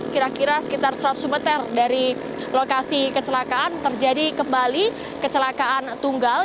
kira kira sekitar seratus meter dari lokasi kecelakaan terjadi kembali kecelakaan tunggal